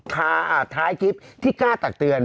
ท้ายคลิปที่กล้าตักเตือน